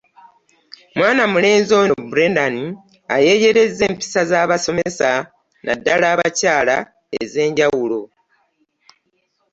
Mwana mulenzi ono Brenan, ayeyereza empisa z'abasomesa n' addala abakyala ez'enjawulo .